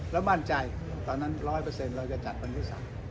และมั่นใจตอนนั้น๑๐๐พอเซ็นต์เรายังจะจัดวันที่สาม